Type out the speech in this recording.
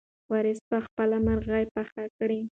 وارث به خپله مرغۍ پخه کړي.